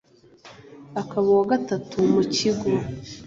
akaba uwagatatu mu kigo